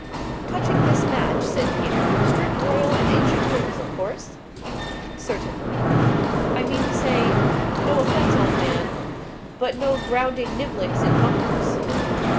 "Touching this match," said Peter. "Strict Royal and Ancient rules, of course?" "Certainly." "I mean to say no offence, old man but no grounding niblicks in bunkers."